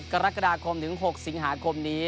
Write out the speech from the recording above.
กรกฎาคมถึง๖สิงหาคมนี้